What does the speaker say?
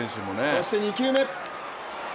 そして２球目。